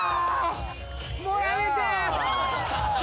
もうやめて！